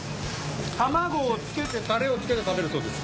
卵をつけてタレをつけて食べるそうです。